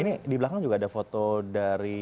ini di belakang juga ada foto dari